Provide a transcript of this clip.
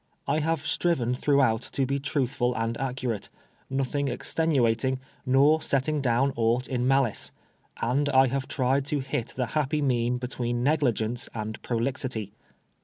I have striven throughout to be truthful and accurate, nothing extenuating, nor setting down aught in malice ; and I have tried to hit the happy mean between negligence and prolixity.